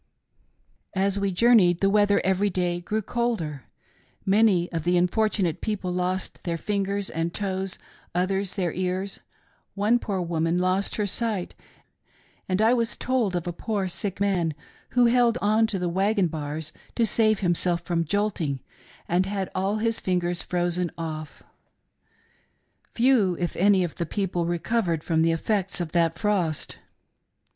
" As we journeyed, the weather every day grew colder : Many of the unfortunate people lost their fingers and toes, others their ears ; one poor woman lost her sight, and I was told of a poor sick jnan who held on to the wagon bars to save himself from jolting and had all his fingers frozen off. Few, if any, of the people recovered from the effects of that frost.